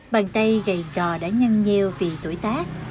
bàn tay gầy trò đã nhân nheo vì tuổi tác